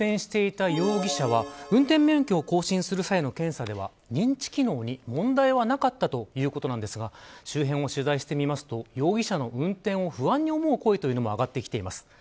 運転していた容疑者は運転免許を更新する際の検査では認知機能に問題はなかったということなんですが周辺を取材してみますと容疑者の運転を不安に思う声も上がってきています。